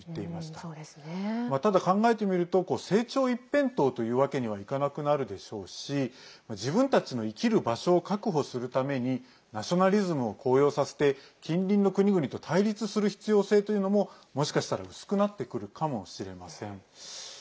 ただ、考えてみると成長一辺倒というわけにはいかなくなるでしょうし自分たちの生きる場所を確保するためにナショナリズムを高揚させて近隣の国々と対立する必要性というのももしかしたら薄くなってくるかもしれません。